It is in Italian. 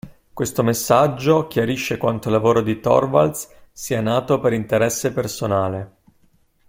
Questo messaggio chiarisce quanto il lavoro di Torvalds sia nato per interesse personale.